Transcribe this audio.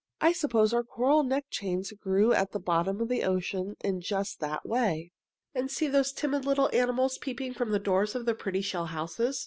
I suppose our coral neck chains grew at the bottom of the ocean in just that way." "And see those timid little animals peeping from the doors of their pretty shell houses.